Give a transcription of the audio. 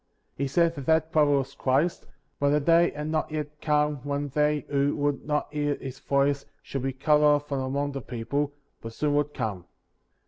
He said that that prophet was Christ; but the day had not yet come when they who would not hear his voieo should be cut off from among the people, but soon would come.